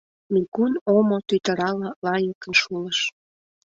Микун омо тӱтырала лайыкын шулыш.